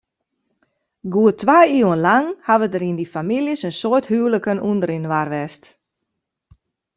Goed twa iuwen lang hawwe der yn dy famyljes in soad houliken ûnderinoar west.